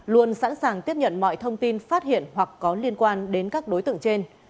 luôn sẵn sàng tiếp nhận mọi thông tin phát hiện hoặc có liên quan đến các đối tượng trên